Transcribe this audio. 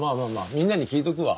みんなに聞いとくわ。